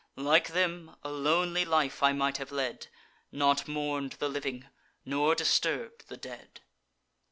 Like them, a lonely life I might have led, Not mourn'd the living, nor disturb'd the dead."